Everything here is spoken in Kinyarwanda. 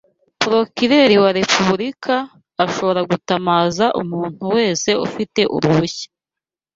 Prokireri wa Repubulika ashobora gutamaza umuntu wese ufite uruhushya